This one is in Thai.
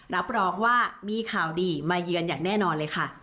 รับรองว่ามีข่าวดีมาเยือนอย่างแน่นอนเลยค่ะ